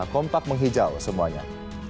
kompak menghijau semuanya